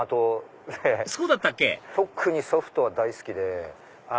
特にソフトは大好きで。